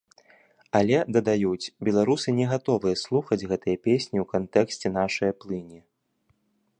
Але, дадаюць, беларусы не гатовыя слухаць гэтыя песні ў кантэксце нашай плыні.